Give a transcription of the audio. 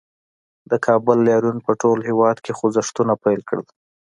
د کابل لاریون په ټول هېواد کې خوځښتونه پیل کړل